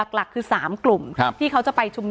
หลักคือ๓กลุ่มที่เขาจะไปชุมนุม